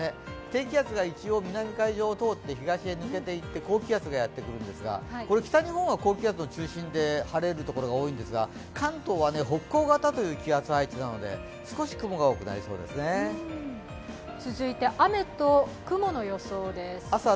低気圧が南海上を通って東へ抜けていって高気圧がやってくるんですが北日本は高気圧の中心で晴れるところが多いんですが、関東は北高型という気圧配置なので、続いて雨と雲の予想です。